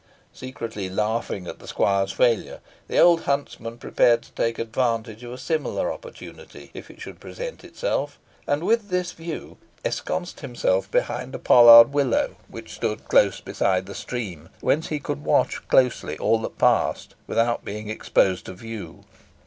Secretly laughing at the squire's failure, the old huntsman prepared to take advantage of a similar opportunity if it should present itself, and with this view ensconced himself behind a pollard willow, which stood close beside the stream, and whence he could watch closely all that passed, without being exposed to view.